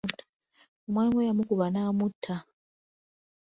Omwami we yamukuba n'amutta.